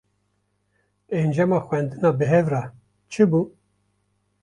Encama xwendina bi hev re, çi bû?